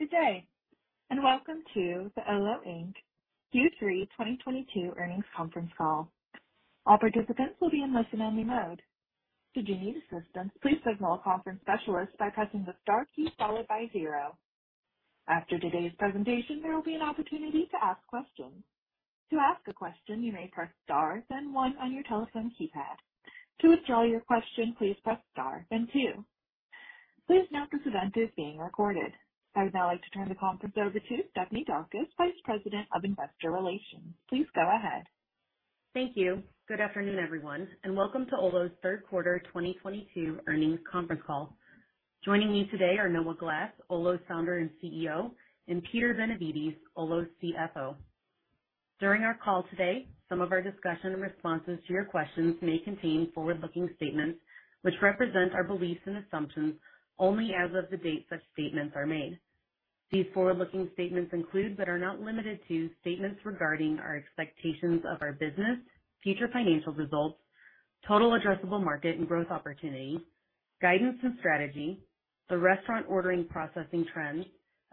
Good day, and welcome to the Olo Inc. Q3 2022 Earnings Conference Call. All participants will be in listen-only mode. Should you need assistance, please signal a conference specialist by pressing the star key followed by zero. After today's presentation, there will be an opportunity to ask questions. To ask a question, you may press star then one on your telephone keypad. To withdraw your question, please press star then two. Please note this event is being recorded. I would now like to turn the conference over to Stephanie Daukus, Vice President of Investor Relations. Please go ahead. Thank you. Good afternoon, everyone, and welcome to Olo's third quarter 2022 earnings conference call. Joining me today are Noah Glass, Olo's founder and CEO, and Peter Benevides, Olo's CFO. During our call today, some of our discussion and responses to your questions may contain forward-looking statements which represent our beliefs and assumptions only as of the date such statements are made. These forward-looking statements include, but are not limited to, statements regarding our expectations of our business, future financial results, total addressable market and growth opportunities, guidance and strategy, the restaurant ordering processing trends,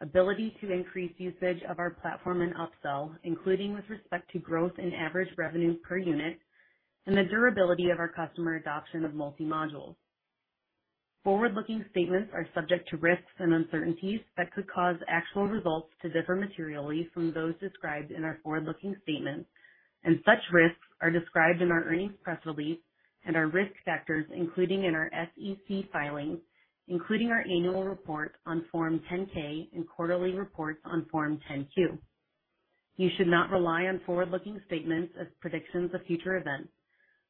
ability to increase usage of our platform and upsell, including with respect to growth and average revenue per unit, and the durability of our customer adoption of multi-modules. Forward-looking statements are subject to risks and uncertainties that could cause actual results to differ materially from those described in our forward-looking statements, and such risks are described in our earnings press release and our risk factors, including in our SEC filings, including our annual report on Form 10-K and quarterly reports on Form 10-Q. You should not rely on forward-looking statements as predictions of future events.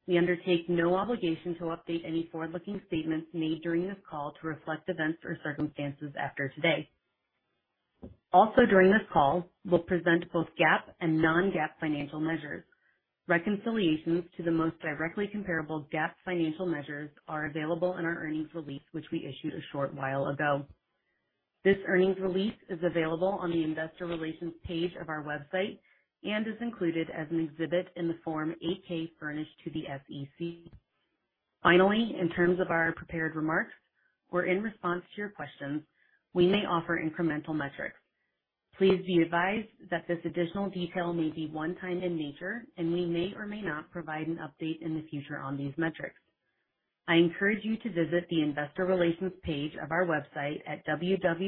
We undertake no obligation to update any forward-looking statements made during this call to reflect events or circumstances after today. Also during this call, we'll present both GAAP and non-GAAP financial measures. Reconciliations to the most directly comparable GAAP financial measures are available in our earnings release, which we issued a short while ago. This earnings release is available on the investor relations page of our website and is included as an exhibit in the Form 8-K furnished to the SEC. Finally, in terms of our prepared remarks or in response to your questions, we may offer incremental metrics. Please be advised that this additional detail may be one-time in nature, and we may or may not provide an update in the future on these metrics. I encourage you to visit the investor relations page of our website at www.olo.com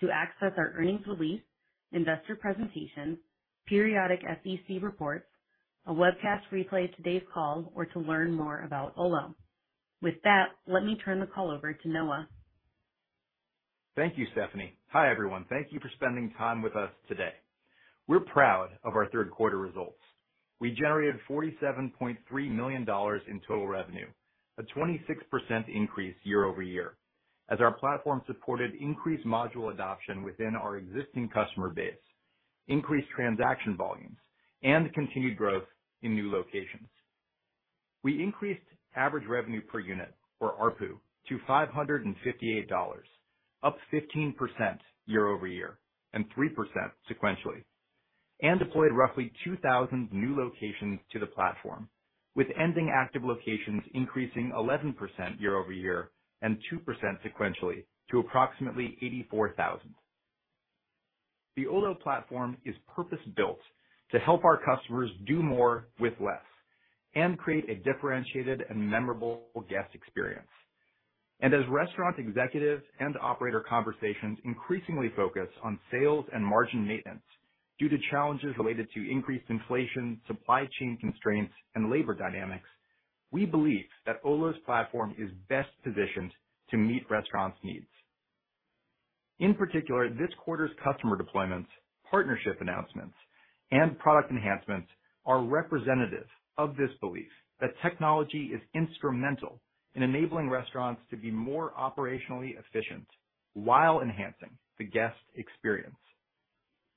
to access our earnings release, investor presentation, periodic SEC reports, a webcast replay of today's call, or to learn more about Olo. With that, let me turn the call over to Noah. Thank you, Stephanie. Hi, everyone. Thank you for spending time with us today. We're proud of our third quarter results. We generated $47.3 million in total revenue, a 26% increase year-over-year, as our platform supported increased module adoption within our existing customer base, increased transaction volumes, and continued growth in new locations. We increased average revenue per unit, or ARPU, to $558, up 15% year-over-year and 3% sequentially, and deployed roughly 2,000 new locations to the platform, with ending active locations increasing 11% year-over-year and 2% sequentially to approximately 84,000. The Olo Platform is purpose-built to help our customers do more with less and create a differentiated and memorable guest experience. As restaurant executives and operator conversations increasingly focus on sales and margin maintenance due to challenges related to increased inflation, supply chain constraints, and labor dynamics, we believe that Olo's platform is best positioned to meet restaurants' needs. In particular, this quarter's customer deployments, partnership announcements, and product enhancements are representative of this belief that technology is instrumental in enabling restaurants to be more operationally efficient while enhancing the guest experience.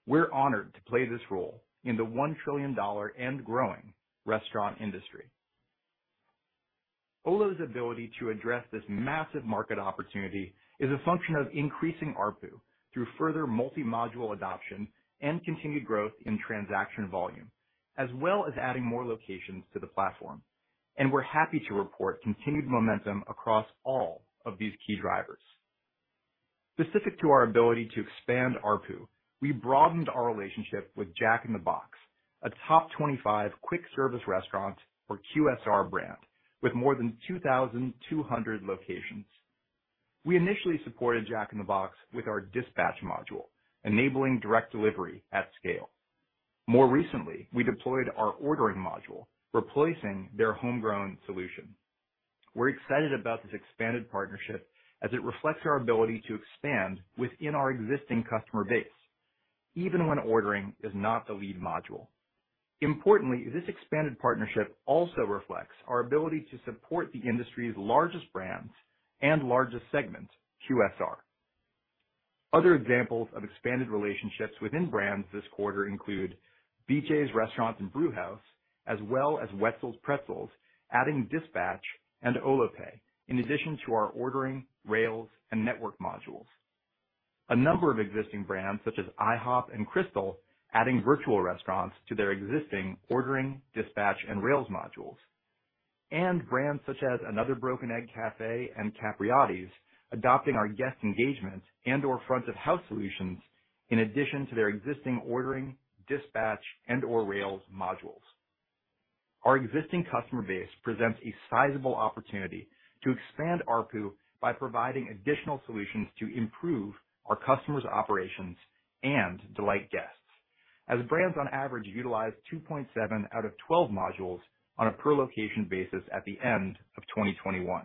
We're honored to play this role in the $1 trillion and growing restaurant industry. Olo's ability to address this massive market opportunity is a function of increasing ARPU through further Multi-Module Adoption and continued growth in transaction volume, as well as adding more locations to the platform. We're happy to report continued momentum across all of these key drivers. Specific to our ability to expand ARPU, we broadened our relationship with Jack in the Box, a top 25 quick service restaurant or QSR brand with more than 2,200 locations. We initially supported Jack in the Box with our dispatch module, enabling direct delivery at scale. More recently, we deployed our ordering module, replacing their homegrown solution. We're excited about this expanded partnership as it reflects our ability to expand within our existing customer base even when ordering is not the lead module. Importantly, this expanded partnership also reflects our ability to support the industry's largest brands and largest segment, QSR. Other examples of expanded relationships within brands this quarter include BJ's Restaurant and Brewhouse, as well as Wetzel's Pretzels, adding dispatch and Olo Pay in addition to our ordering, rails, and network modules. A number of existing brands such as IHOP and Krystal adding virtual restaurants to their existing ordering, dispatch, and rails modules, and brands such as Another Broken Egg Cafe and Capriotti's adopting our guest engagement and/or front of house solutions in addition to their existing ordering, dispatch, and/or rails modules. Our existing customer base presents a sizable opportunity to expand ARPU by providing additional solutions to improve our customers' operations and delight guests as brands on average utilize 2.7 out of 12 modules on a per location basis at the end of 2021.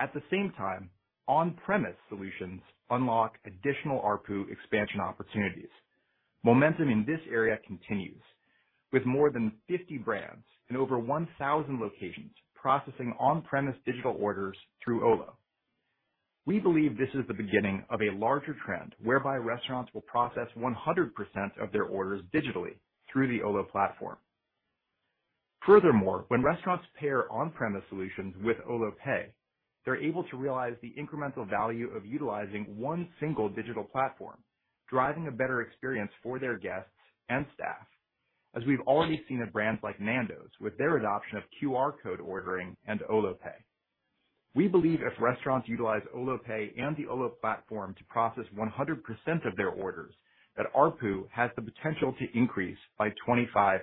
At the same time, on-premise solutions unlock additional ARPU expansion opportunities. Momentum in this area continues, with more than 50 brands and over 1,000 locations processing on-premise digital orders through Olo. We believe this is the beginning of a larger trend whereby restaurants will process 100% of their orders digitally through the Olo Platform. Furthermore, when restaurants pair on-premise solutions with Olo Pay, they're able to realize the incremental value of utilizing one single digital platform, driving a better experience for their guests and staff, as we've already seen at brands like Nando's with their adoption of QR code ordering and Olo Pay. We believe if restaurants utilize Olo Pay and the Olo Platform to process 100% of their orders that ARPU has the potential to increase by 25x.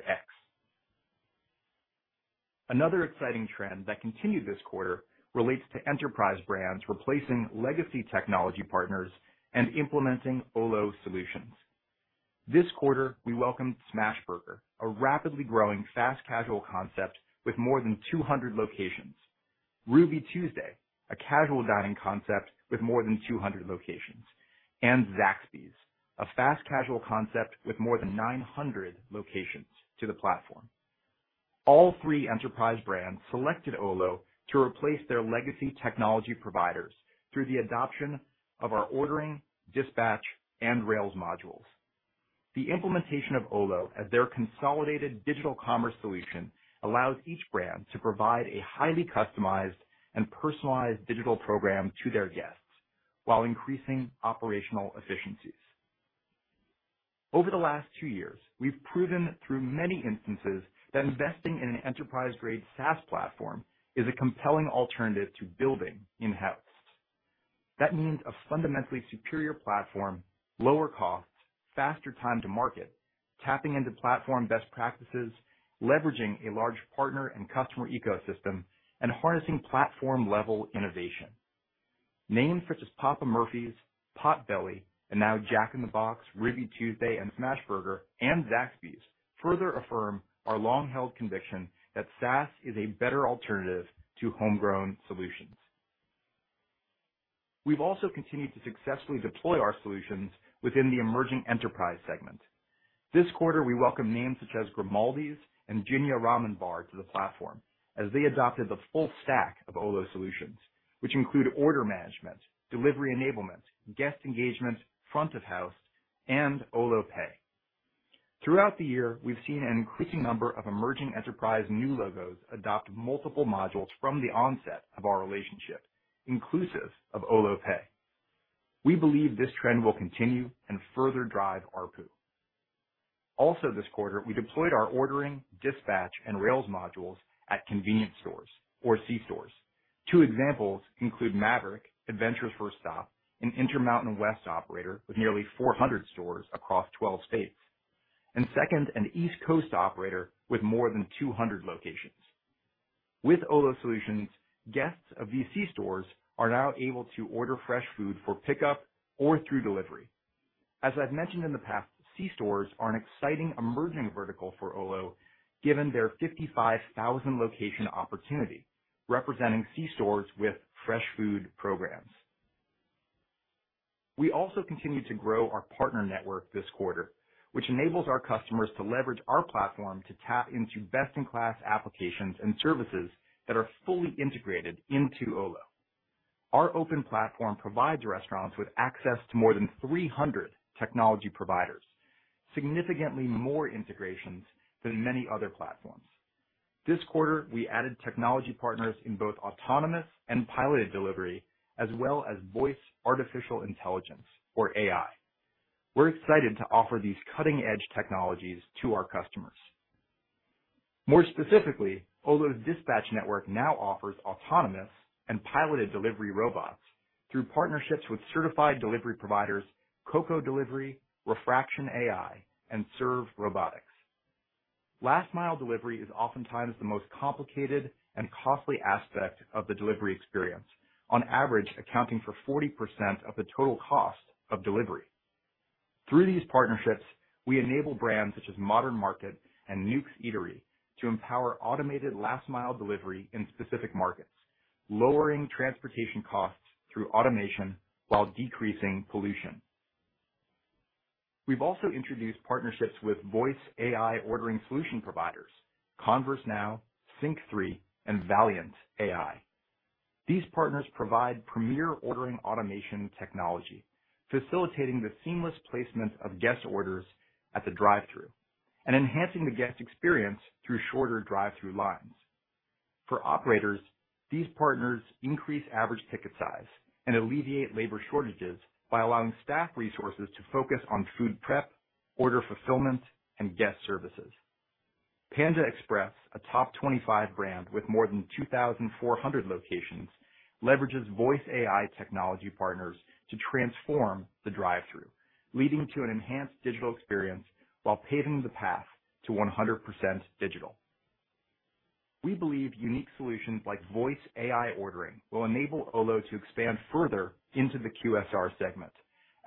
Another exciting trend that continued this quarter relates to enterprise brands replacing legacy Technology Partners and implementing Olo solutions. This quarter, we welcomed Smashburger, a rapidly growing fast casual concept with more than 200 locations, Ruby Tuesday, a casual dining concept with more than 200 locations, and Zaxby's, a fast casual concept with more than 900 locations to the platform. All three enterprise brands selected Olo to replace their legacy technology providers through the adoption of our ordering, dispatch, and rails modules. The implementation of Olo as their consolidated digital commerce solution allows each brand to provide a highly customized and personalized digital program to their guests while increasing operational efficiencies. Over the last two years, we've proven through many instances that investing in an enterprise-grade SaaS Platform is a compelling alternative to building in-house. That means a fundamentally superior platform, lower costs, faster time to market, tapping into platform best practices, leveraging a large partner and customer ecosystem, and harnessing platform-level innovation. Names such as Papa Murphy's, Potbelly, and now Jack in the Box, Ruby Tuesday, and Smashburger, and Zaxby's further affirm our long-held conviction that SaaS is a better alternative to homegrown solutions. We've also continued to successfully deploy our solutions within the emerging enterprise segment. This quarter, we welcome names such as Grimaldi's and Jinya Ramen Bar to the platform as they adopted the full stack of Olo solutions, which include order management, Delivery Enablement, Guest Engagement, front of house, and Olo Pay. Throughout the year, we've seen an increasing number of emerging enterprise new logos adopt multiple modules from the onset of our relationship, inclusive of Olo Pay. We believe this trend will continue and further drive ARPU. Also this quarter, we deployed our ordering, dispatch, and rails modules at convenience stores or C-stores. Two examples include Maverik, Adventure's First Stop, an Intermountain West operator with nearly 400 stores across 12 states. Second, an East Coast operator with more than 200 locations. With Olo solutions, guests of these C-stores are now able to order fresh food for pickup or through delivery. As I've mentioned in the past, C-stores are an exciting emerging vertical for Olo, given their 55,000 location opportunity, representing C-stores with fresh food programs. We also continued to grow our partner network this quarter, which enables our customers to leverage our platform to tap into best-in-class applications and services that are fully integrated into Olo. Our open platform provides restaurants with access to more than 300 technology providers, significantly more integrations than many other platforms. This quarter, we added Technology Partners in both autonomous and piloted delivery, as well as voice artificial intelligence, or AI. We're excited to offer these cutting-edge technologies to our customers. More specifically, Olo's dispatch network now offers autonomous and piloted delivery robots through partnerships with certified delivery providers Coco, Refraction AI, and Serve Robotics. Last mile delivery is oftentimes the most complicated and costly aspect of the delivery experience, on average, accounting for 40% of the total cost of delivery. Through these partnerships, we enable brands such as Modern Market Eatery and Newk's Eatery to empower automated last mile delivery in specific markets, lowering transportation costs through automation while decreasing pollution. We've also introduced partnerships with voice AI ordering solution providers ConverseNow, SYNQ3, and Valyant AI. These partners provide premier ordering automation technology, facilitating the seamless placement of guest orders at the drive-thru and enhancing the guest experience through shorter drive-thru lines. For operators, these partners increase average ticket size and alleviate labor shortages by allowing staff resources to focus on food prep, order fulfillment, and guest services. Panda Express, a top 25 brand with more than 2,400 locations, leverages voice AI Technology Partners to transform the drive-through. Leading to an enhanced digital experience while paving the path to 100% digital. We believe unique solutions like voice AI ordering will enable Olo to expand further into the QSR segment,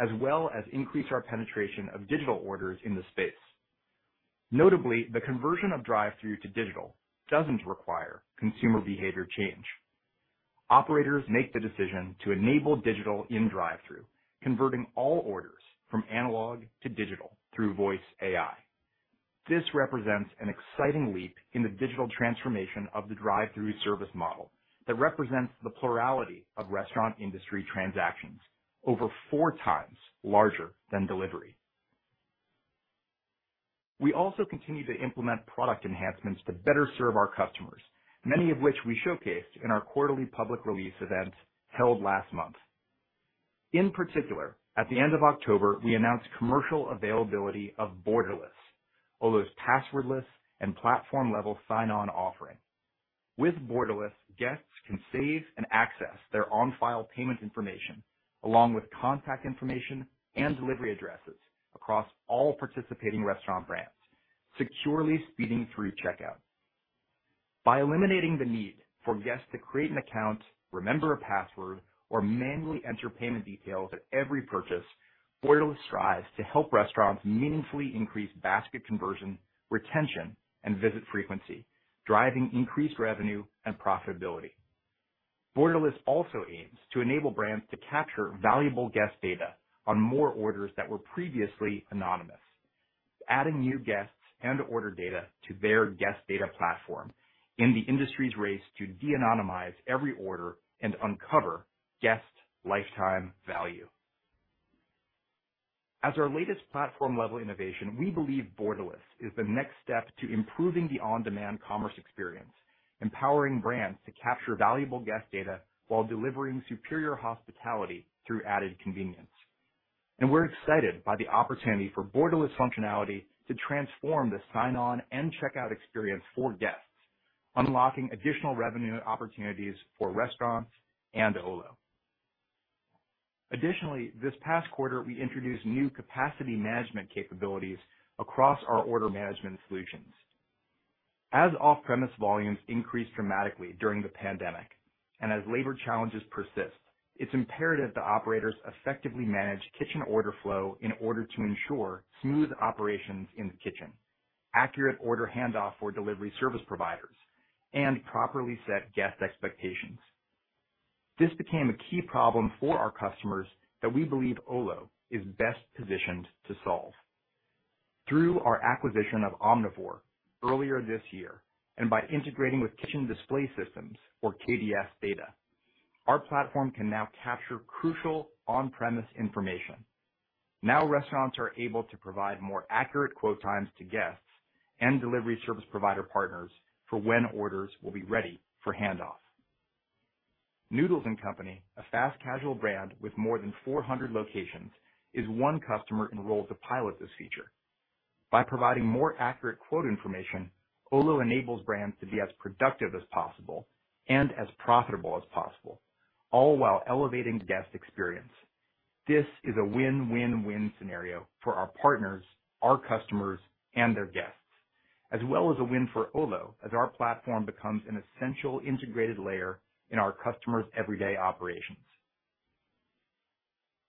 as well as increase our penetration of digital orders in the space. Notably, the conversion of drive-through to digital doesn't require consumer behavior change. Operators make the decision to enable digital in drive-through, converting all orders from analog to digital through voice AI. This represents an exciting leap in the digital transformation of the drive-through service model that represents the plurality of restaurant industry transactions over four times larger than delivery. We also continue to implement product enhancements to better serve our customers, many of which we showcased in our quarterly public release event held last month. In particular, at the end of October, we announced commercial availability of Borderless, Olo's password-less and platform-level sign-on offering. With Borderless, guests can save and access their on-file payment information along with contact information and delivery addresses across all participating Restaurant Brands, securely speeding through checkout. By eliminating the need for guests to create an account, remember a password, or manually enter payment details at every purchase, Borderless strives to help restaurants meaningfully increase basket conversion, retention, and visit frequency, driving increased revenue and profitability. Borderless also aims to enable brands to capture valuable guest data on more orders that were previously anonymous, adding new guests and order data to their guest data platform in the industry's race to de-anonymize every order and uncover guest lifetime value. As our latest platform-level innovation, we believe Borderless is the next step to improving the on-demand commerce experience, empowering brands to capture valuable guest data while delivering superior hospitality through added convenience. We're excited by the opportunity for Borderless functionality to transform the sign-on and checkout experience for guests, unlocking additional revenue opportunities for restaurants and Olo. Additionally, this past quarter, we introduced new capacity management capabilities across our order management solutions. As off-premise volumes increased dramatically during the pandemic, and as labor challenges persist, it's imperative that operators effectively manage kitchen order flow in order to ensure smooth operations in the kitchen, accurate order handoff for delivery service providers, and properly set guest expectations. This became a key problem for our customers that we believe Olo is best positioned to solve. Through our acquisition of Omnivore earlier this year, and by integrating with kitchen display systems, or KDS, data, our platform can now capture crucial on-premise information. Now, restaurants are able to provide more accurate quote times to guests and delivery service provider partners for when orders will be ready for handoff. Noodles & Company, a fast casual brand with more than 400 locations, is one customer enrolled to pilot this feature. By providing more accurate quote information, Olo enables brands to be as productive as possible and as profitable as possible, all while elevating the guest experience. This is a win-win-win scenario for our partners, our customers, and their guests, as well as a win for Olo as our platform becomes an essential integrated layer in our customers' everyday operations.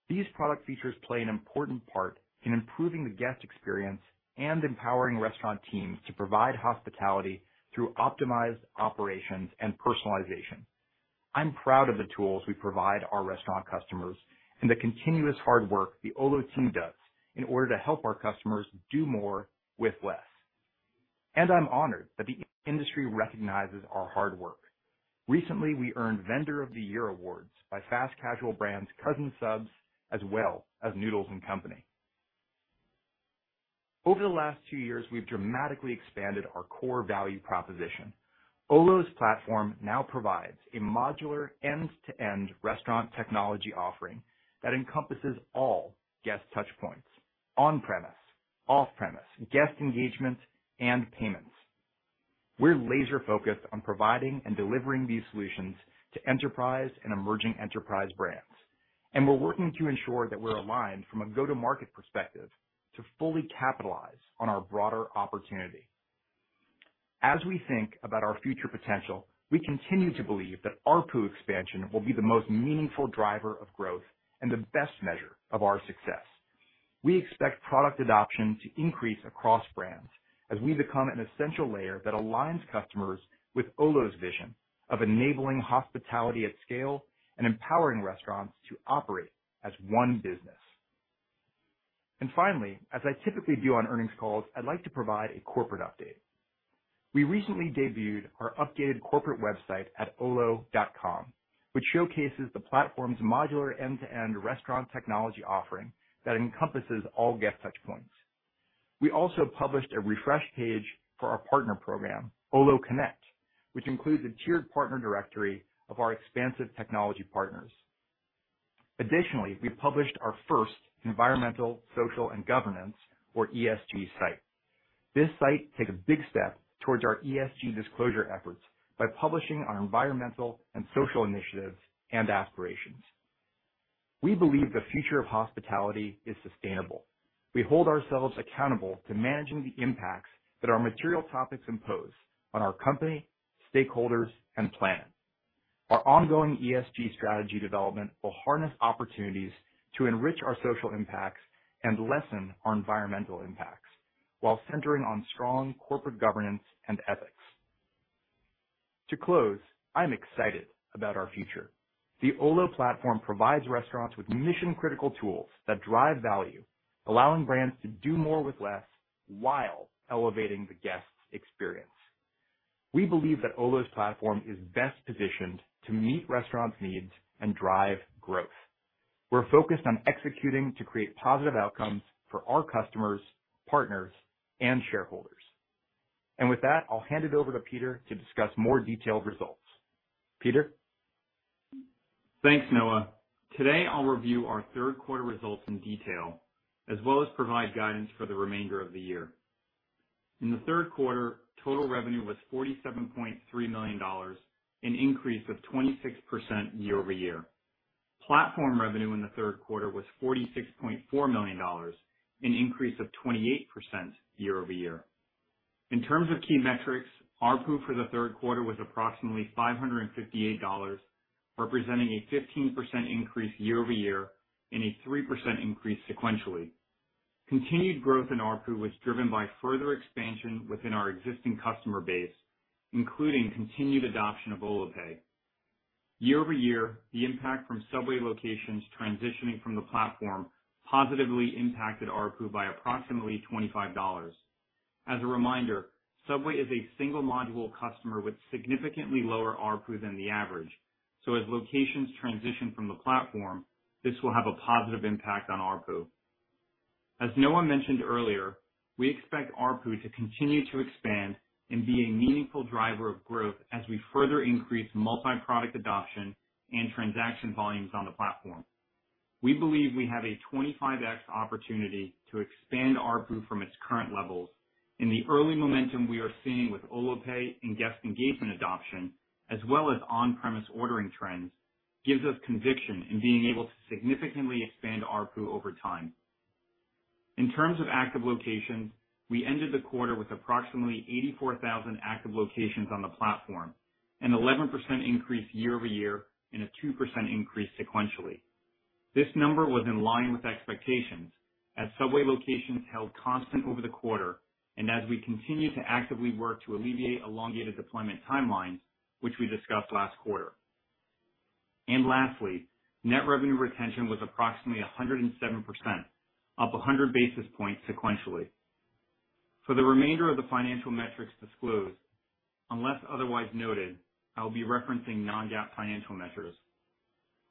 These product features play an important part in improving the guest experience and empowering restaurant teams to provide hospitality through optimized operations and personalization. I'm proud of the tools we provide our restaurant customers and the continuous hard work the Olo team does in order to help our customers do more with less. I'm honored that the industry recognizes our hard work. Recently, we earned Vendor of the Year awards by fast casual brands Cousins Subs as well as Noodles & Company. Over the last two years, we've dramatically expanded our core value proposition. Olo's platform now provides a modular end-to-end restaurant technology offering that encompasses all guest touch points, on-premise, off-premise, guest engagement, and payments. We're laser-focused on providing and delivering these solutions to enterprise and emerging enterprise brands, and we're working to ensure that we're aligned from a go-to-market perspective to fully capitalize on our broader opportunity. As we think about our future potential, we continue to believe that ARPU expansion will be the most meaningful driver of growth and the best measure of our success. We expect product adoption to increase across brands as we become an essential layer that aligns customers with Olo's vision of enabling hospitality at scale and empowering restaurants to operate as one business. Finally, as I typically do on earnings calls, I'd like to provide a corporate update. We recently debuted our updated corporate website at Olo.com, which showcases the platform's modular end-to-end restaurant technology offering that encompasses all guest touch points. We also published a refresh page for our partner program, Olo Connect, which includes a tiered partner directory of our expansive technology partners. Additionally, we published our first environmental, social and governance, or ESG site. This site takes a big step towards our ESG disclosure efforts by publishing our environmental and social initiatives and aspirations. We believe the future of hospitality is sustainable. We hold ourselves accountable to managing the impacts that our material topics impose on our company, stakeholders, and planet. Our ongoing ESG strategy development will harness opportunities to enrich our social impacts and lessen our environmental impacts while centering on strong corporate governance and ethics. To close, I'm excited about our future. The Olo Platform provides restaurants with mission-critical tools that drive value, allowing brands to do more with less while elevating the guest's experience. We believe that Olo's platform is best positioned to meet restaurants' needs and drive growth. We're focused on executing to create positive outcomes for our customers, partners, and shareholders. With that, I'll hand it over to Peter to discuss more detailed results. Peter? Thanks, Noah. Today, I'll review our third quarter results in detail, as well as provide guidance for the remainder of the year. In the third quarter, total revenue was $47.3 million, an increase of 26% year-over-year. Platform revenue in the third quarter was $46.4 million, an increase of 28% year-over-year. In terms of key metrics, ARPU for the third quarter was approximately $558, representing a 15% increase year-over-year and a 3% increase sequentially. Continued growth in ARPU was driven by further expansion within our existing customer base, including continued adoption of Olo Pay. Year-over-year, the impact from Subway locations transitioning from the platform positively impacted ARPU by approximately $25. As a reminder, Subway is a single module customer with significantly lower ARPU than the average. As locations transition from the platform, this will have a positive impact on ARPU. As Noah mentioned earlier, we expect ARPU to continue to expand and be a meaningful driver of growth as we further increase multi-product adoption and transaction volumes on the platform. We believe we have a 25x opportunity to expand ARPU from its current levels. The early momentum we are seeing with Olo Pay and guest engagement adoption, as well as on-premise ordering trends, gives us conviction in being able to significantly expand ARPU over time. In terms of active locations, we ended the quarter with approximately 84,000 active locations on the platform, an 11% increase year-over-year and a 2% increase sequentially. This number was in line with expectations as Subway locations held constant over the quarter and as we continue to actively work to alleviate elongated deployment timelines, which we discussed last quarter. Lastly, net revenue retention was approximately 107%, up 100 basis points sequentially. For the remainder of the financial metrics disclosed, unless otherwise noted, I'll be referencing non-GAAP financial measures.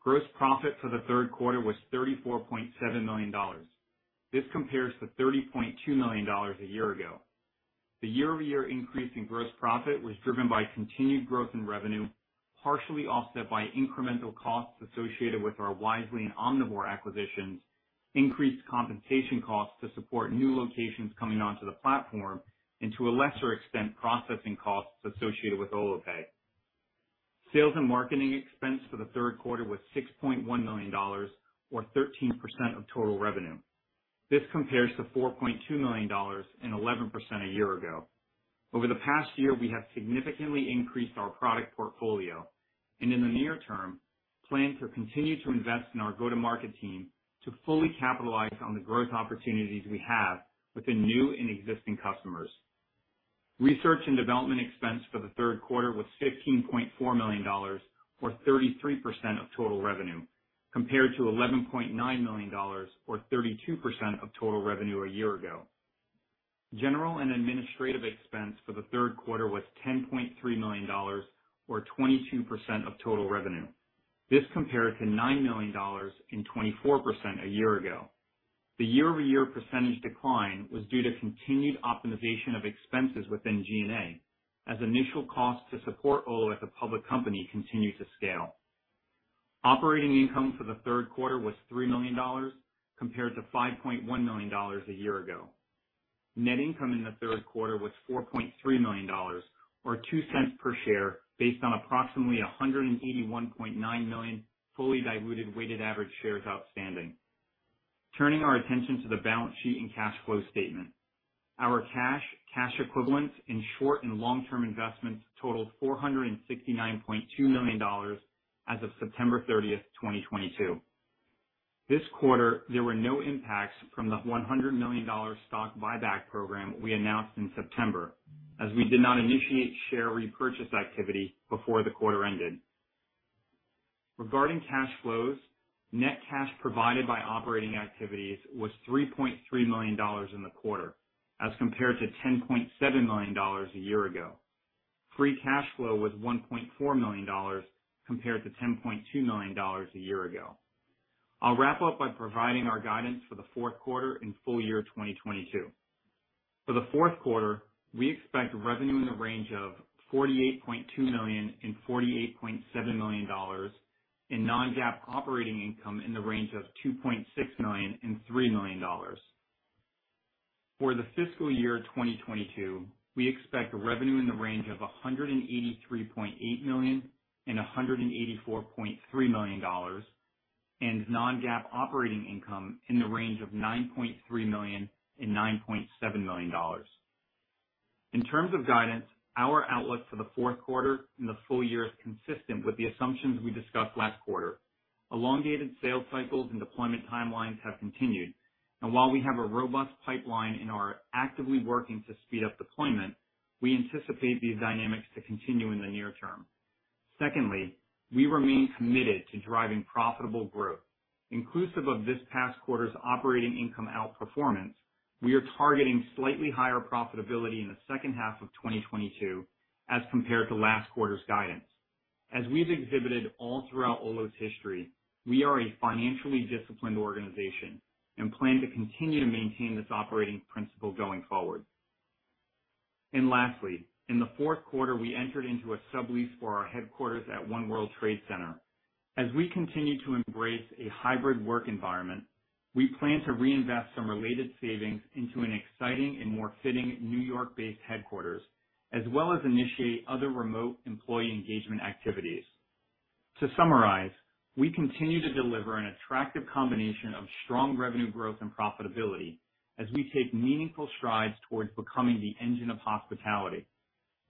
Gross profit for the third quarter was $34.7 million. This compares to $30.2 million a year ago. The year-over-year increase in gross profit was driven by continued growth in revenue, partially offset by incremental costs associated with our Wisely and Omnivore acquisitions, increased compensation costs to support new locations coming onto the platform, and to a lesser extent, processing costs associated with Olo Pay. Sales and marketing expense for the third quarter was $6.1 million or 13% of total revenue. This compares to $4.2 million and 11% a year ago. Over the past year, we have significantly increased our product portfolio, and in the near term, plan to continue to invest in our go-to-market team to fully capitalize on the growth opportunities we have with the new and existing customers. Research and development expense for the third quarter was $15.4 million or 33% of total revenue, compared to $11.9 million or 32% of total revenue a year ago. General and administrative expense for the third quarter was $10.3 million or 22% of total revenue. This compared to $9 million and 24% a year ago. The year-over-year percentage decline was due to continued optimization of expenses within G&A as initial costs to support Olo as a public company continued to scale. Operating income for the third quarter was $3 million compared to 5.1 million a year ago. Net income in the third quarter was $4.3 million or 0.02 per share, based on approximately 181.9 million fully diluted weighted average shares outstanding. Turning our attention to the balance sheet and cash flow statement. Our cash equivalents, and short and long-term investments totaled $469.2 million as of September 30, 2022. This quarter, there were no impacts from the $100 million stock buyback program we announced in September, as we did not initiate share repurchase activity before the quarter ended. Regarding cash flows, net cash provided by operating activities was $3.3 million in the quarter as compared to $10.7 million a year ago. Free cash flow was $1.4 million compared to 10.2 million a year ago. I'll wrap up by providing our guidance for the fourth quarter and full year 2022. For the fourth quarter, we expect revenue in the range of $48.2 million-48.7 million, and non-GAAP operating income in the range of $2.6 million-3 million. For the fiscal year 2022, we expect revenue in the range of $183.8 million-184.3 million, and non-GAAP operating income in the range of $9.3 million-9.7 million. In terms of guidance, our outlook for the fourth quarter and the full year is consistent with the assumptions we discussed last quarter. Elongated sales cycles and deployment timelines have continued, and while we have a robust pipeline and are actively working to speed up deployment, we anticipate these dynamics to continue in the near term. Secondly, we remain committed to driving profitable growth. Inclusive of this past quarter's operating income outperformance, we are targeting slightly higher profitability in the second half of 2022 as compared to last quarter's guidance. As we've exhibited all throughout Olo's history, we are a financially disciplined organization and plan to continue to maintain this operating principle going forward. Lastly, in the fourth quarter, we entered into a sublease for our headquarters at One World Trade Center. As we continue to embrace a hybrid work environment, we plan to reinvest some related savings into an exciting and more fitting New York-based headquarters, as well as initiate other remote employee engagement activities. To summarize, we continue to deliver an attractive combination of strong revenue growth and profitability as we take meaningful strides towards becoming the engine of hospitality.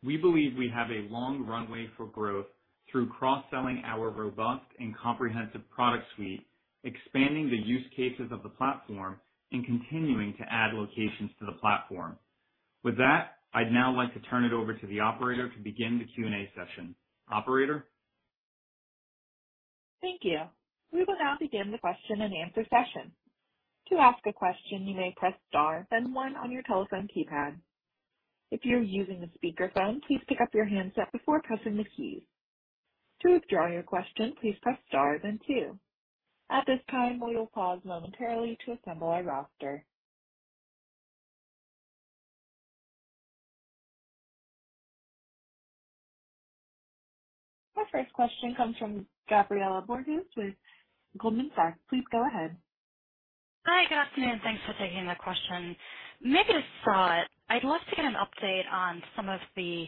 We believe we have a long runway for growth through cross-selling our robust and comprehensive product suite, expanding the use cases of the platform, and continuing to add locations to the platform. With that, I'd now like to turn it over to the operator to begin the Q&A session. Operator? Thank you. We will now begin the question-and-answer session. To ask a question, you may press star then one on your telephone keypad. If you're using a speakerphone, please pick up your handset before pressing the keys. To withdraw your question, please press star then two. At this time, we will pause momentarily to assemble our roster. Our first question comes from Gabriela Borges with Goldman Sachs. Please go ahead. Hi, guys, and thanks for taking my question. Maybe to start, I'd love to get an update on some of the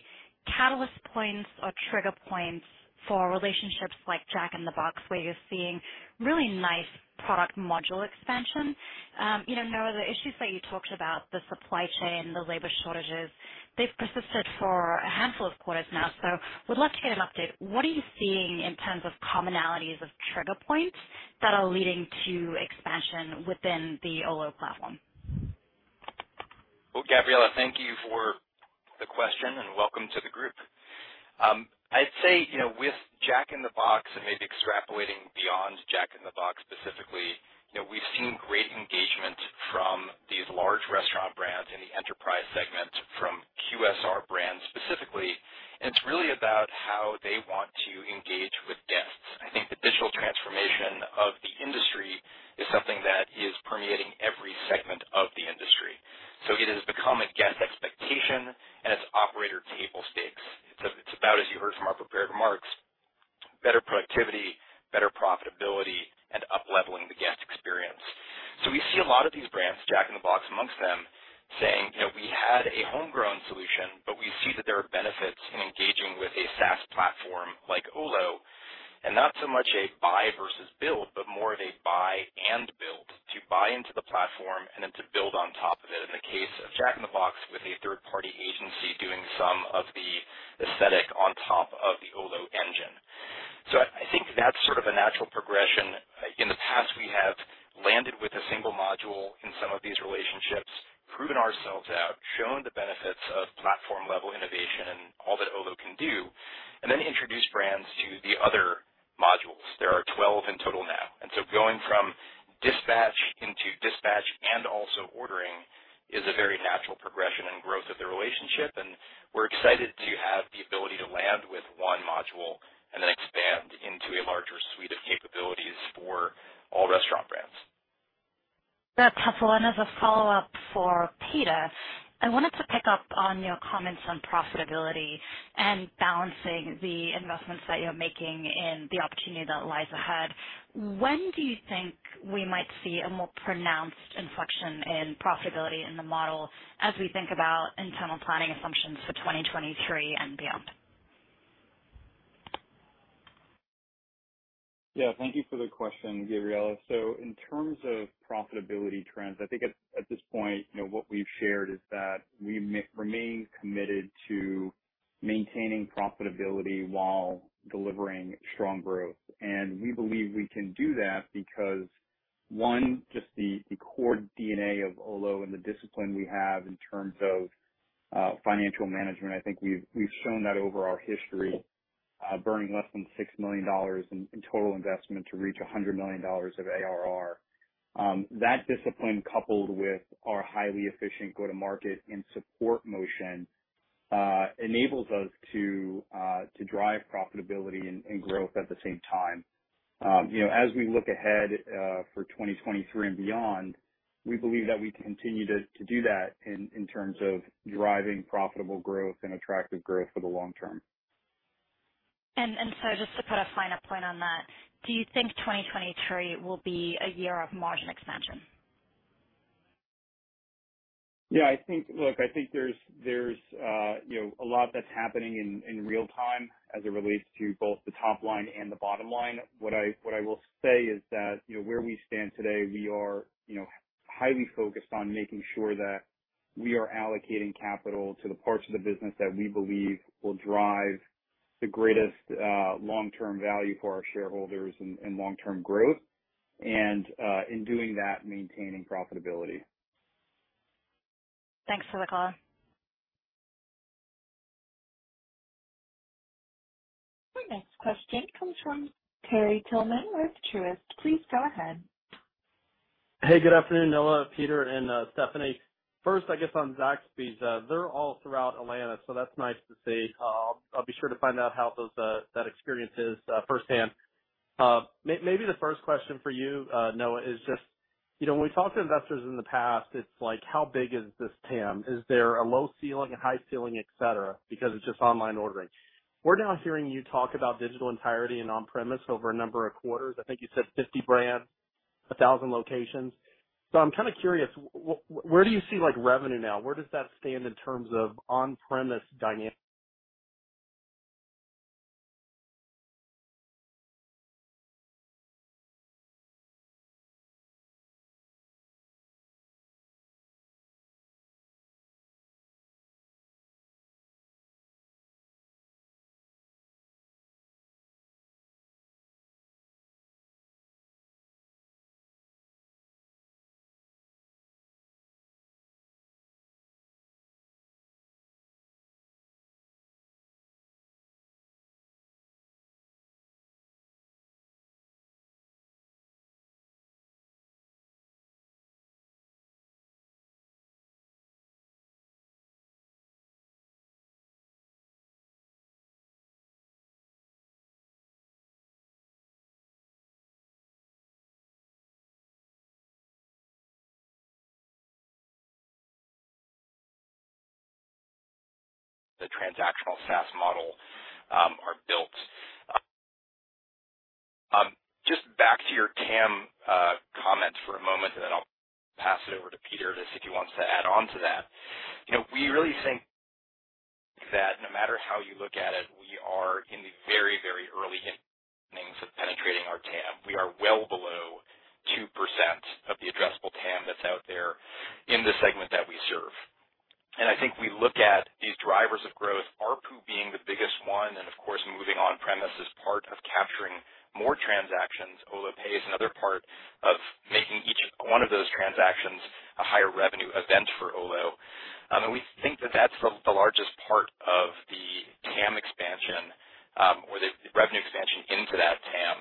catalyst points or trigger points for relationships like Jack in the Box, where you're seeing really nice product module expansion. You know, Noah, the issues that you talked about, the supply chain, the labor shortages, they've persisted for a handful of quarters now, so would love to get an update. What are you seeing in terms of commonalities of trigger points that are leading to expansion within the Olo Platform? Well, Gabriela, thank you for the question, and welcome to the group. I'd say, you know, with Jack in the Box, and maybe extrapolating beyond Jack in the Box specifically, you know, we've seen great engagement from these large Restaurant Brands in the enterprise segment from QSR brands specifically, and it's really about how they want to engage with financial management, I think we've shown that over our history. Burning less than $6 million in total investment to reach $100 million of ARR. That discipline, coupled with our highly efficient go-to-market and support motion, enables us to drive profitability and growth at the same time. You know, as we look ahead for 2023 and beyond, we believe that we continue to do that in terms of driving profitable growth and attractive growth for the long term. Just to put a finer point on that, do you think 2023 will be a year of margin expansion? Yeah, I think. Look, I think there's, you know, a lot that's happening in real time as it relates to both the top line and the bottom line. What I will say is that, you know, where we stand today, we are, you know, highly focused on making sure that we are allocating capital to the parts of the business that we believe will drive the greatest long-term value for our shareholders and long-term growth, and in doing that, maintaining profitability. Thanks for the color. Our next question comes from Terry Tillman with Truist. Please go ahead. Hey, good afternoon, Noah, Peter, and Stephanie. First, I guess on Zaxby's, they're all throughout Atlanta, so that's nice to see. I'll be sure to find out how those, that experience is, firsthand. Maybe the first question for you, Noah, is just, you know, when we talked to investors in the past, it's like, how big is this TAM? Is there a low ceiling, a high ceiling, et cetera, because it's just online ordering. We're now hearing you talk about digital entirety and on-premise over a number of quarters. I think you said 50 brands, 1,000 locations. So I'm kind of curious, where do you see, like, revenue now? Where does that stand in terms of on-premise dynamic. The transactional SaaS model, are built. Just back to your TAM comment for a moment, and then I'll pass it over to Peter to see if he wants to add on to that. You know, we really think that no matter how you look at it, we are in the very, very early innings of penetrating our TAM. We are well below 2% of the addressable TAM that's out there in the segment that we serve. I think we look at these drivers of growth, ARPU being the biggest one, and of course, moving on-premise is part of capturing more transactions. Olo Pay is another part of making each one of those transactions a higher revenue event for Olo. We think that that's the largest part of the TAM expansion, or the revenue expansion into that TAM.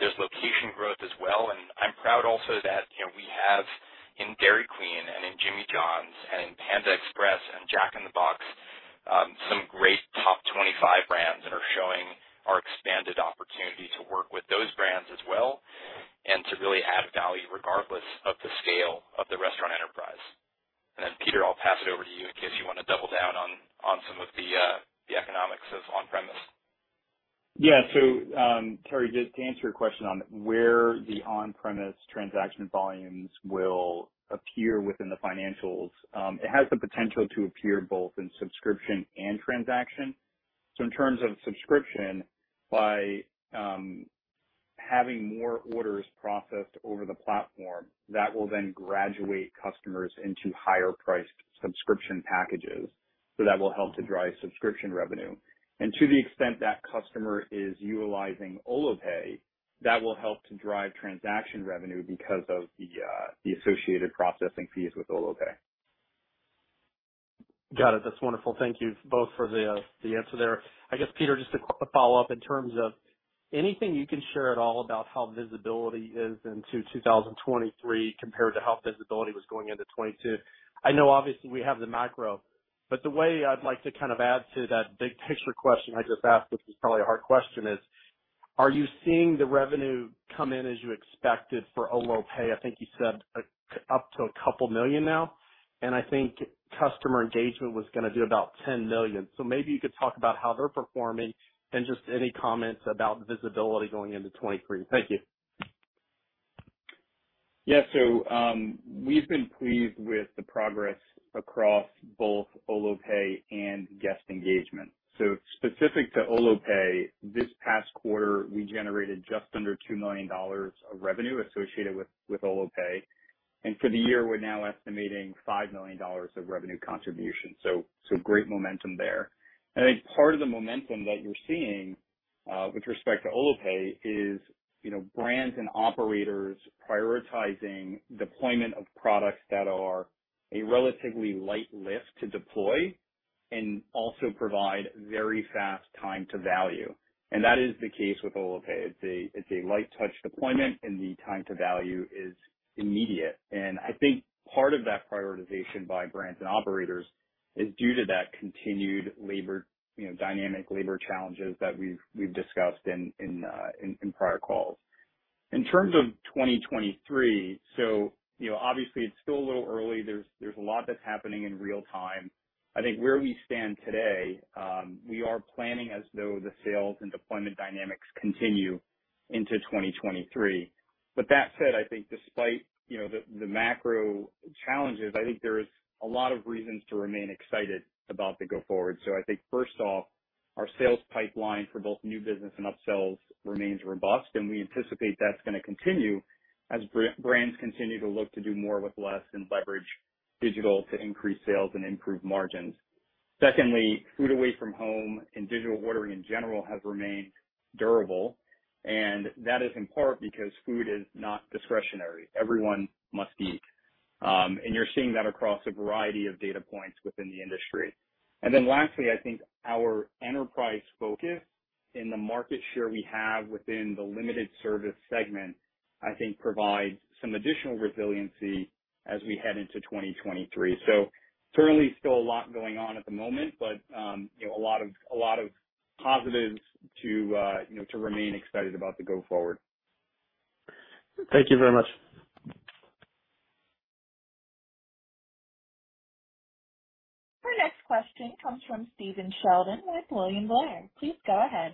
There's location growth as well. I'm proud also that, you know, we have in Dairy Queen and in Jimmy John's and in Panda Express and Jack in the Box, some great top 25 brands that are showing our expanded opportunity to work with those brands as well and to really add value regardless of the scale of the restaurant enterprise. Then Peter, I'll pass it over to you in case you wanna double down on some of the economics of on-premise. Yeah. Terry, just to answer your question on where the on-premise transaction volumes will appear within the financials, it has the potential to appear both in subscription and transaction. In terms of subscription, by having more orders processed over the platform, that will then graduate customers into higher priced subscription packages. That will help to drive subscription revenue. To the extent that customer is utilizing Olo Pay, that will help to drive transaction revenue because of the associated processing fees with Olo Pay. Got it. That's wonderful. Thank you both for the answer there. I guess, Peter, just a quick follow-up in terms of anything you can share at all about how visibility is into 2023 compared to how visibility was going into 2022. I know obviously we have the macro. The way I'd like to kind of add to that big picture question I just asked, which is probably a hard question, is, are you seeing the revenue come in as you expected for Olo Pay? I think you said up to $2 million now. And I think customer engagement was gonna do about $10 million. Maybe you could talk about how they're performing and just any comments about visibility going into 2023. Thank you. Yeah. We've been pleased with the progress across both Olo Pay and guest engagement. Specific to Olo Pay, this past quarter, we generated just under $2 million of revenue associated with Olo Pay. For the year, we're now estimating $5 million of revenue contribution. Great momentum there. I think part of the momentum that you're seeing with respect to Olo Pay is, you know, brands and operators prioritizing deployment of products that are a relatively light lift to deploy and also provide very fast time to value. That is the case with Olo Pay. It's a light touch deployment and the time to value is immediate. I think part of that prioritization by brands and operators is due to that continued labor dynamic labor challenges that we've discussed in prior calls. In terms of 2023, obviously it's still a little early. There's a lot that's happening in real time. I think where we stand today, we are planning as though the sales and deployment dynamics continue into 2023. That said, I think despite the macro challenges, I think there is a lot of reasons to remain excited about the go forward. I think first off, our sales pipeline for both new business and upsells remains robust, and we anticipate that's gonna continue as brands continue to look to do more with less and leverage digital to increase sales and improve margins. Secondly, food away from home and Digital Ordering in general has remained durable, and that is in part because food is not discretionary. Everyone must eat. You're seeing that across a variety of data points within the industry. Then lastly, I think our enterprise focus and the market share we have within the limited service segment, I think provides some additional resiliency as we head into 2023. Certainly still a lot going on at the moment, but you know, a lot of positives to you know, to remain excited about going forward. Thank you very much. Our next question comes from Stephen Sheldon with William Blair. Please go ahead.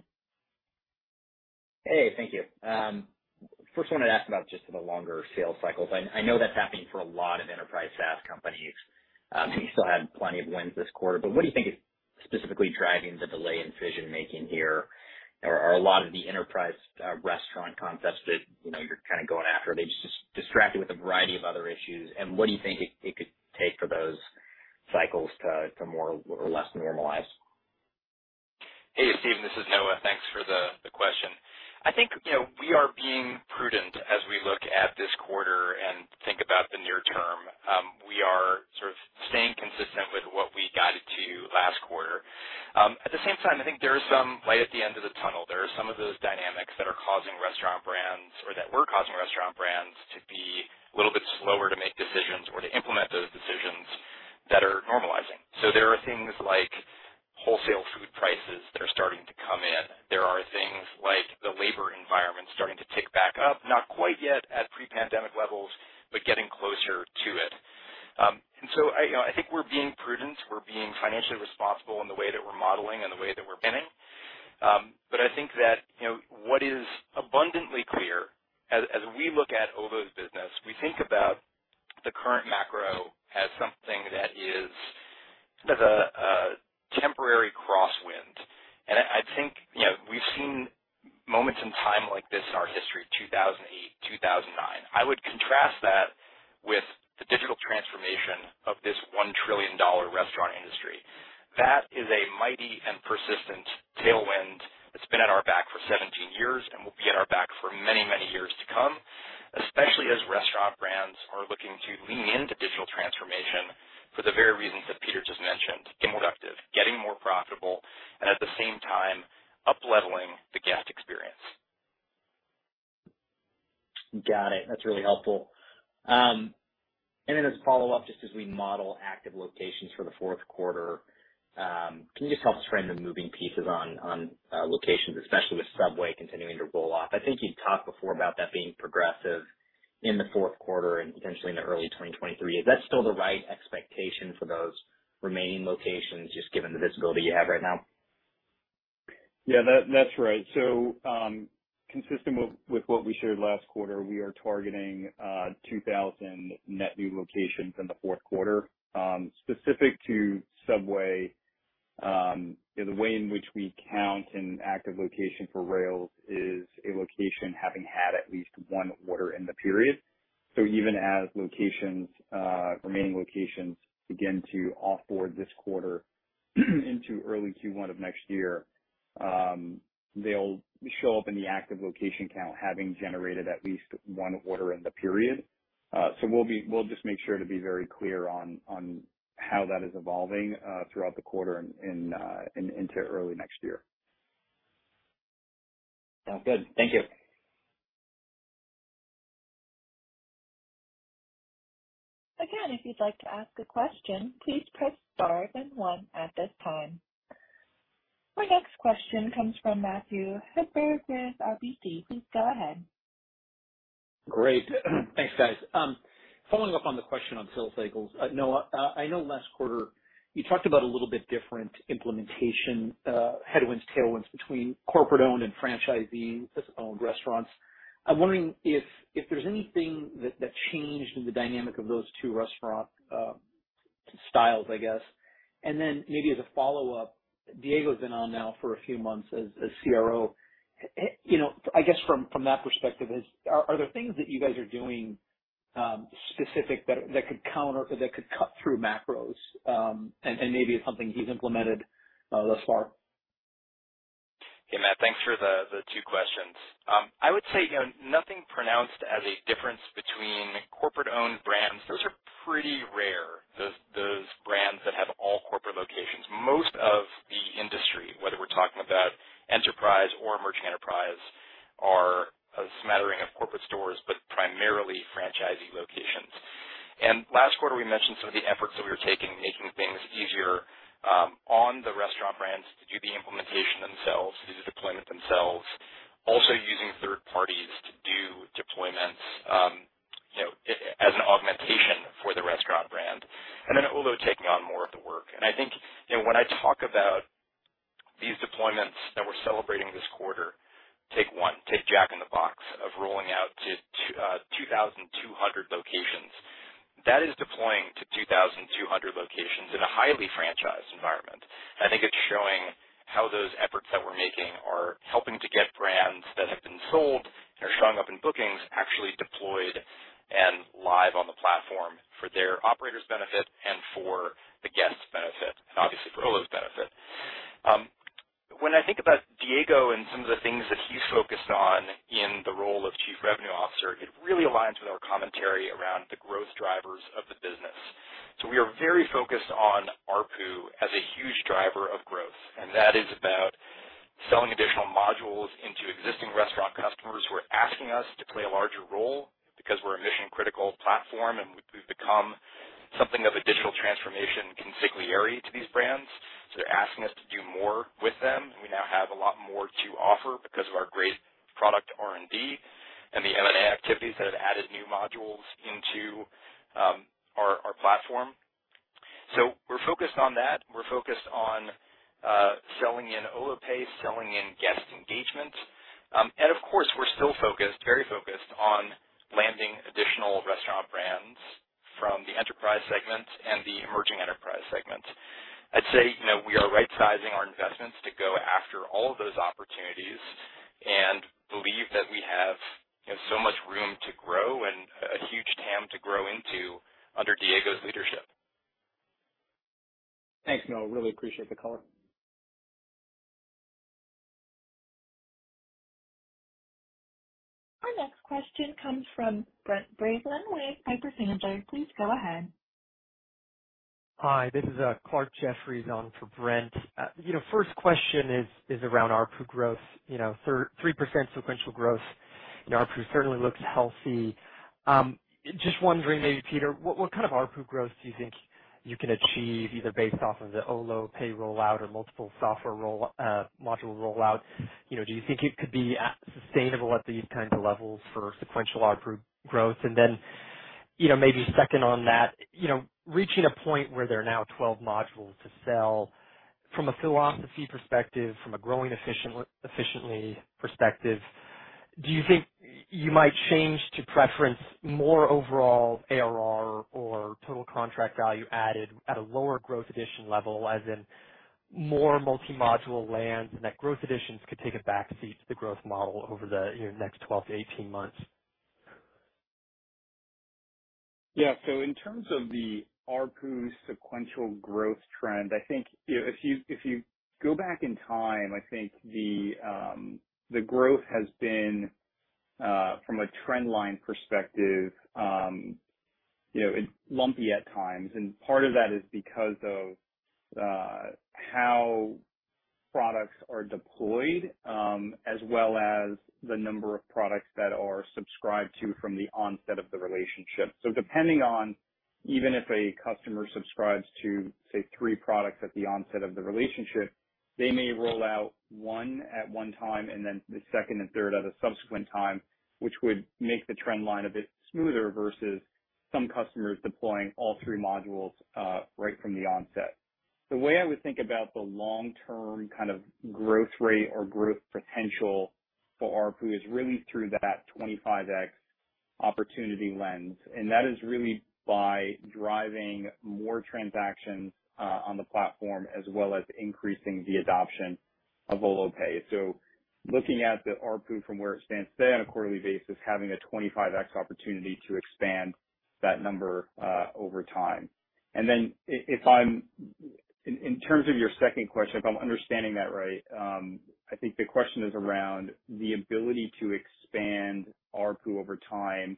Hey, thank you. First wanted to ask about just the longer sales cycles. I know that's happening for a lot of enterprise SaaS companies. You still had plenty of wins this quarter, but what do you think is specifically driving the delay in decision-making here? Are a lot of the enterprise restaurant concepts that you know you're kind of going after just distracted with a variety of other issues? What do you think it could take for those cycles to more or less normalize? Hey, Steve, this is Noah. Thanks for the question. I think, you know, we are being prudent as we look at this quarter and think about the near term. We are sort of staying consistent with what we guided to last quarter. At the same time, I think there is some light at the end of the tunnel. There are some of those dynamics that are causing Restaurant Brands or that were causing Restaurant Brands to be a little bit slower to make decisions or to implement those decisions that are normalizing. There are things like wholesale food prices that are starting to come in. There are things like the labor environment starting to tick back up, not quite yet at pre-pandemic levels, but getting closer to it. I, you know, I think we're being prudent. We're being financially responsible in the way that we're modeling and the way that we're bidding. I think that, you know, what is abundantly clear as we look at Olo's business, we think about the current macro as something that is kind of a temporary crosswind. I think, you know, we've seen moments in time like this in our history, 2008, 2009. I would contrast that with the digital transformation of this $1 trillion restaurant industry. That is a mighty and persistent tailwind that's been at our back for 17 years and will be at our back for many, many years to come, especially as Restaurant Brands are looking to lean into digital transformation for the very reasons that Peter just mentioned, being productive, getting more profitable, and at the same time upleveling the guest experience. Got it. That's really helpful. As a follow-up, just as we model active locations for the fourth quarter, can you just help us frame the moving pieces on locations, especially with Subway continuing to roll off? I think you'd talked before about that being progressive in the fourth quarter and potentially in the early 2023. Is that still the right expectation for those remaining locations, just given the visibility you have right now? Yeah, that's right. Consistent with what we shared last quarter, we are targeting 2,000 net new locations in the fourth quarter. Specific to Subway, you know, the way in which we count an active location for rails is a location having had at least one order in the period. Even as remaining locations begin to offboard this quarter into early Q1 of next year, they'll show up in the active location count, having generated at least one order in the period. We'll just make sure to be very clear on how that is evolving throughout the quarter and into early next year. Sounds good. Thank you. Again, if you'd like to ask a question, please press star then one at this time. Our next question comes from Matthew Hedberg with RBC. Please go ahead. Great. Thanks, guys. Following up on the question on sales cycles. Noah, I know last quarter you talked about a little bit different implementation, headwinds, tailwinds between corporate owned and franchisee owned restaurants. I'm wondering if there's anything that changed in the dynamic of those two restaurant styles, I guess. Then maybe as a follow-up, Diego's been on now for a few months as CRO. You know, I guess from that perspective, are there things that you guys are doing specific that could counter or that could cut through macros, and maybe it's something he's implemented thus far? Hey, Matt, thanks for the two questions. I would say, you know, no pronounced difference between corporate-owned brands. Those are pretty rare, those brands that have all corporate locations. Most of the industry, whether we're talking about enterprise or emerging enterprise, are a smattering of corporate stores, but primarily franchisee locations. Last quarter, we mentioned some of the efforts that we were taking, making things easier on the Restaurant Brands to do the implementation themselves, do the deployment themselves. Also using third parties to do deployments, you know, as an augmentation for the restaurant brand, and then Olo taking on more of the work. I think, you know, when I talk about these deployments that we're celebrating this quarter, take one, take Jack in the Box of rolling out to 2,200 locations. That is deploying to 2,200 locations in a highly franchised environment. I think it's showing how those efforts that we're making are helping to get brands that have been sold and are showing up in bookings actually deployed and live on the platform for their operators' benefit and for the guests' benefit, and obviously for Olo's benefit. When I think about Diego and some of the things that he's focused on in the role of Chief Revenue Officer, it really aligns with our commentary around the growth drivers of the business. We are very focused on ARPU as a huge driver of growth, and that is about selling additional modules into existing restaurant customers who are asking us to play a larger role because we're a mission-critical platform, and we've become something of a digital transformation consigliere to these brands, so they're asking us to do more with them. We now have a lot more to offer because of our great product R&D and the M&A activities that have added new modules into our platform. We're focused on that. We're focused on selling in Olo Pay, selling in guest engagement. Of course, we're still focused, very focused on landing additional Restaurant Brands from the enterprise segment and the emerging enterprise segment. I'd say, you know, we are rightsizing our investments to go after all of those opportunities and believe that we have, you know, so much room to grow and a huge TAM to grow into under Diego's leadership. Thanks, Noah. Really appreciate the color. Our next question comes from Brent Bracelin with Piper Sandler. Please go ahead. Hi, this is Clarke Jeffries on for Brent. You know, first question is around ARPU growth. You know, 3% sequential growth in ARPU certainly looks healthy. Just wondering, maybe, Peter, what kind of ARPU growth do you think you can achieve either based off of the Olo Pay rollout or multiple software module rollout? You know, do you think it could be sustainable at these kinds of levels for sequential ARPU growth? you know, maybe second on that, you know, reaching a point where there are now 12 modules to sell, from a philosophy perspective, from a growing efficiently perspective, do you think you might change to preference more overall ARR or total contract value added at a lower growth addition level, as in more multi-module lands and that growth additions could take a backseat to the growth model over the, you know, next 12-18 months? Yeah. In terms of the ARPU sequential growth trend, I think, you know, if you, if you go back in time, I think the growth has been from a trend line perspective, you know, it's lumpy at times, and part of that is because of how products are deployed, as well as the number of products that are subscribed to from the onset of the relationship. Depending on even if a customer subscribes to, say, three products at the onset of the relationship, they may roll out one at one time and then the second and third at a subsequent time, which would make the trend line a bit smoother versus some customers deploying all three modules right from the onset. The way I would think about the long-term kind of growth rate or growth potential for ARPU is really through that 25x opportunity lens, and that is really by driving more transactions on the platform as well as increasing the adoption of Olo Pay. Looking at the ARPU from where it stands today on a quarterly basis, having a 25x opportunity to expand that number over time. If I'm understanding that right, I think the question is around the ability to expand ARPU over time,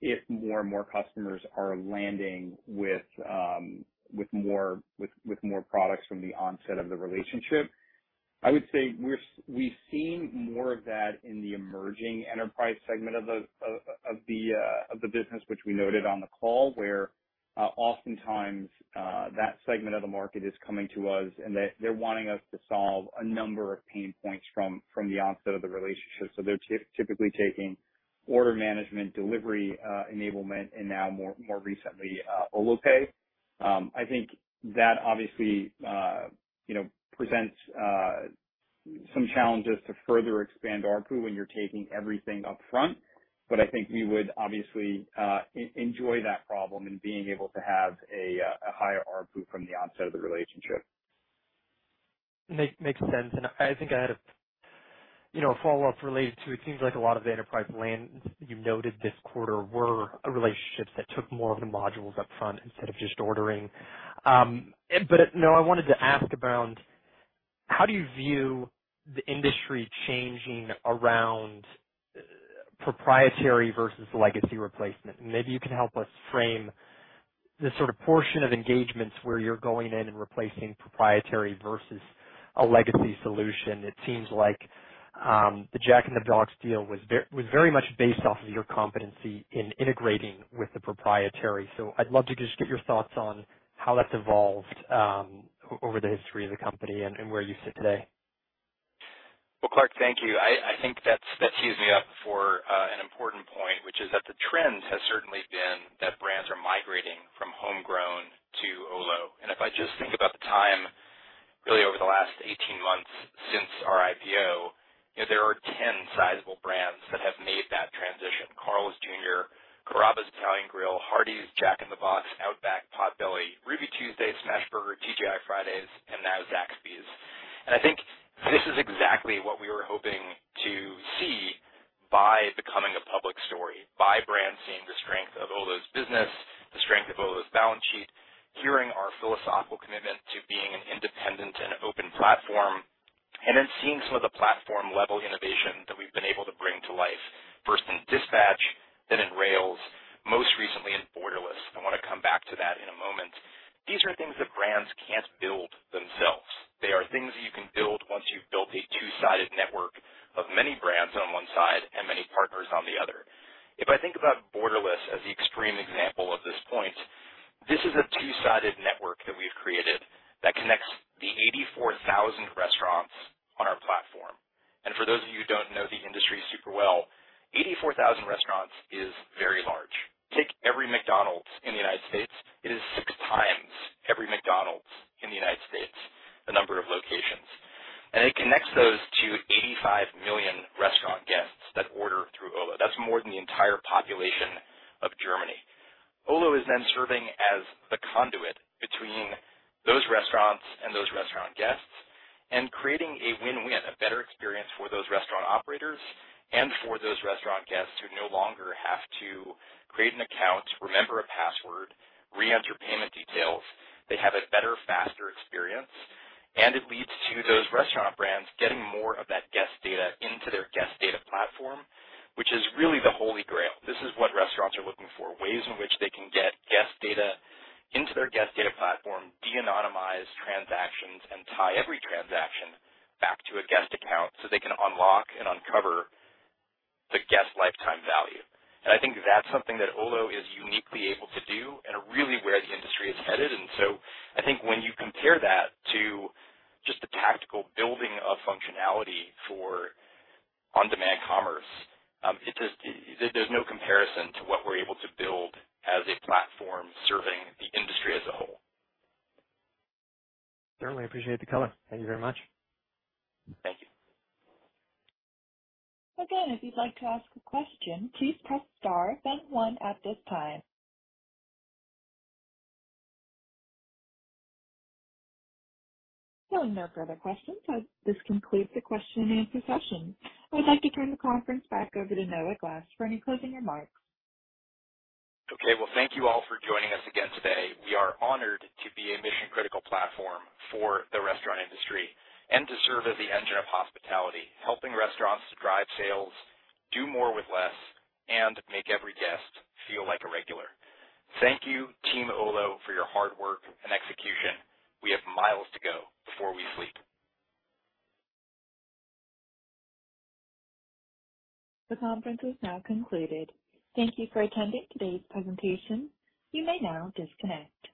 if more and more customers are landing with more products from the onset of the relationship. I would say we've seen more of that in the emerging enterprise segment of the business which we noted on the call where oftentimes that segment of the market is coming to us and they're wanting us to solve a number of pain points from the onset of the relationship. They're typically taking order management, delivery enablement, and now more recently Olo Pay. I think that obviously you know presents some challenges to further expand ARPU when you're taking everything up front. I think we would obviously enjoy that problem in being able to have a higher ARPU from the onset of the relationship. Makes sense. I think I had you know, a follow-up related to it seems like a lot of the enterprise land you noted this quarter were relationships that took more of the modules up front instead of just ordering. But no, I wanted to ask around how do you view the industry changing around proprietary versus legacy replacement? Maybe you can help us frame the sort of portion of engagements where you're going in and replacing proprietary versus a legacy solution. It seems like the Jack in the Box deal was very much based off of your competency in integrating with the proprietary. I'd love to just get your thoughts on how that's evolved over the history of the company and where you sit today. Well, Clarke, thank you. I think that's teed me up for an important point, which is that the trends has certainly been that brands are migrating from homegrown to Olo. If I just think about the time really over the last 18 months since our IPO, you know, there are 10 sizable brands that have made that transition. Carl's Jr., Carrabba's Italian Grill, Hardee's, Jack in the Box, Outback, Potbelly, Ruby Tuesday, Smashburger, TGI Fridays, and now Zaxby's. I think this is exactly what we were hoping to see by becoming a public company, by brands seeing the strength of Olo's business, the strength of Olo's balance sheet, hearing our philosophical commitment to being an independent and open platform, and then seeing some of the platform level innovation that we've been able to bring to life, first in Dispatch, then in Rails, most recently in Borderless. I wanna come back to that in a moment. These are things that brands can't build themselves. They are things that you can build once you've built a two-sided network of many brands on one side and many partners on the other. If I think about Borderless as the extreme example of this point, this is a two-sided network that we've created that connects the 84,000 restaurants on our platform. For those of you who don't know the industry super well, 84,000 restaurants is very large. Take every McDonald's in the United States, it is six times every McDonald's in the United States, the number of locations. It connects those to 85 million restaurant guests that order through Olo. That's more than the entire population of Germany. Olo is then serving as the conduit between those restaurants and those restaurant guests and creating a win-win, a better experience for those restaurant operators and for those restaurant guests who no longer have to create an account, remember a password, reenter payment details. They have a better, faster experience, and it leads to those Restaurant Brands getting more of that guest data into their guest data platform, which is really the holy grail. This is what restaurants are looking for, ways in which they can get guest data into their guest data platform, de-anonymize transactions, and tie every transaction back to a guest account so they can unlock and uncover the guest lifetime value. I think that's something that Olo is uniquely able to do and really where the industry is headed. I think when you compare that to just the tactical building of functionality for on-demand commerce, it just, there's no comparison to what we're able to build as a platform serving the industry as a whole. Certainly appreciate the color. Thank you very much. Thank you. Again, if you'd like to ask a question, please press star then one at this time. Hearing no further questions, this concludes the question and answer session. I'd like to turn the conference back over to Noah Glass for any closing remarks. Okay. Well, thank you all for joining us again today. We are honored to be a mission-critical platform for the restaurant industry and to serve as the engine of hospitality, helping restaurants to drive sales, do more with less, and make every guest feel like a regular. Thank you, Team Olo, for your hard work and execution. We have miles to go before we sleep. The conference is now concluded. Thank you for attending today's presentation. You may now disconnect.